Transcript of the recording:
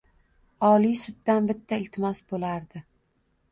Oliy suddan bitta iltimos bo‘lardi: